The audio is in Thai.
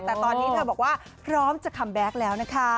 แต่ตอนนี้เธอบอกว่าพร้อมจะคัมแบ็คแล้วนะคะ